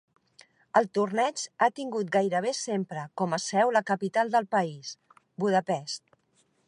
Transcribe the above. El torneig ha tingut gairebé sempre com a seu la capital del país, Budapest.